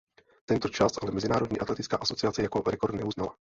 Tento čas ale mezinárodní atletická asociace jako rekord neuznala.